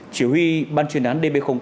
chỉ huy ban chuyên án db tám